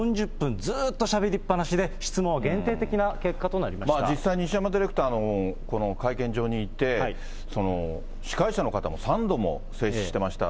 ずーっとしゃべりぱっなしで、質問は限定的な結果となりま実際、西山ディレクターもこの会見場にいて、司会者の方も３度も制止してました。